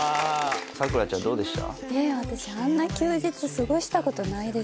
さくらちゃんどうでした？